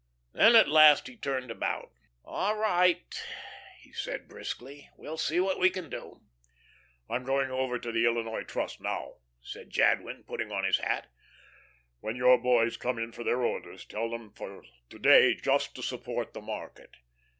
Then at last he turned about. "All right," he said, briskly. "We'll see what that will do." "I'm going over to the Illinois Trust now," said Jadwin, putting on his hat. "When your boys come in for their orders, tell them for to day just to support the market.